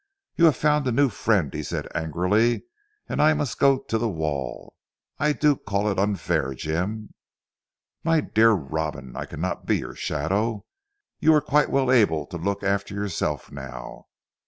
"You have found a new friend," he said angrily, "and I must go to the wall. I do call it unfair Jim." "My dear Robin, I cannot be your shadow. You are quite well able to look after yourself now.